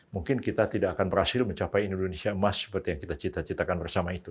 mungkin kita tidak akan berhasil mencapai indonesia emas seperti yang kita cita citakan bersama itu